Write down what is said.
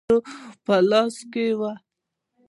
مالداري هم د ښځو په لاس کې وه.